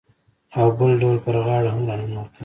او بل ډول پر غاړه هم راننوتل.